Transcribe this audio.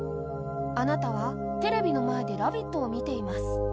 あなたはテレビの前で「ラヴィット！」を見ています。